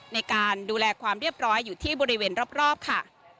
ในการดูแลความเรียบร้อยอยู่ที่บริเวณรอบค่ะ